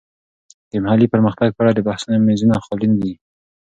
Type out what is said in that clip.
د محلي پرمختګ په اړه د بحثونو میزونه خالي نه وي.